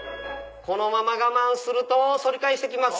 このまま我慢すると反り返します。